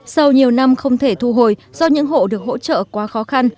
sau nhiều năm không thể thu hồi do những hộ được hỗ trợ quá khó khăn